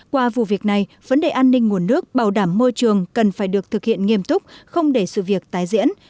qua vụ việc này vấn đề an ninh nguồn nước bảo đảm môi trường cần phải được thực hiện nghiêm túc không để sự việc tái diễn